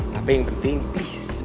tapi yang penting please